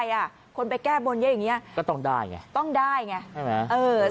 สะท้อนอะไรอ่ะคนไปแก้บหนเยอะอย่างนี้ก็ต้องได้ไงต้องได้ไงใช่ไหมอ่ะ